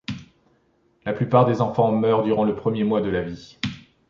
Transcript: La plupart des enfants meurent durant le premier mois de vie.